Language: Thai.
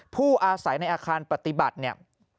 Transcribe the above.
ผู้อาศัยในอาคารปฏิบัติเนี่ย